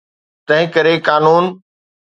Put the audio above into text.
تنهنڪري قانون.